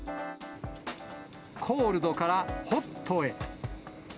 コールドからホットへ。